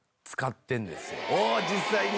おお実際に。